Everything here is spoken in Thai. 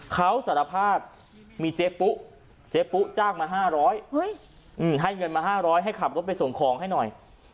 เขาสารภาษณ์มีเจ๊ปุ๊จ้างมาห้าร้อยให้เงินมาห้าร้อยให้ขับรถไปส่งของให้หน่อย